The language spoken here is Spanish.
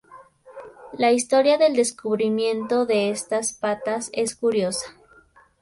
La historia del descubrimiento de estas patas es curiosa.